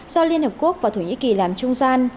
do liên hợp quốc và thổ nhĩ kỳ làm trung gian